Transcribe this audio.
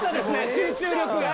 集中力が！